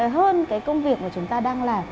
hơn cái công việc mà chúng ta đang làm